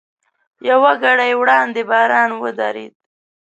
یوه ګړۍ وړاندې باران ودرېد.